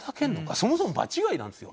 そもそも場違いなんですよ。